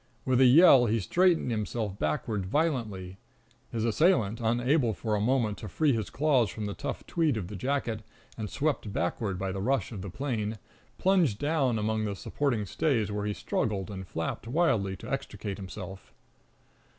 With a yell he straightened himself backward violently. His assailant, unable for a moment to free his claws from the tough tweed of the jacket, and swept backward by the rush of the plane, plunged down among the supporting stays, where he struggled and flapped wildly to extricate himself.